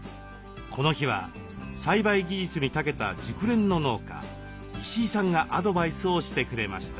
この日は栽培技術にたけた熟練の農家石井さんがアドバイスをしてくれました。